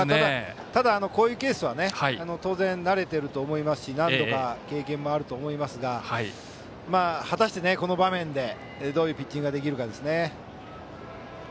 ただ、こういうケースは当然、慣れていると思いますし何度か経験もあると思いますが果たして、この場面でどういうピッチングができるか。